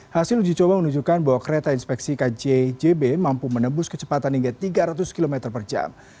hasil uji coba menunjukkan bahwa kereta inspeksi kjjb mampu menembus kecepatan hingga tiga ratus km per jam